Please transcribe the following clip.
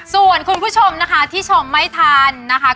ส่วนคุณผู้ชมนะคะที่ชมไม่ทันนะคะ